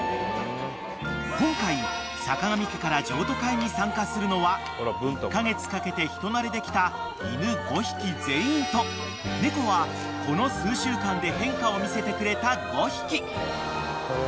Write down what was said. ［今回坂上家から譲渡会に参加するのは１カ月かけて人なれできた犬５匹全員と猫はこの数週間で変化を見せてくれた５匹］